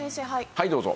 はいどうぞ。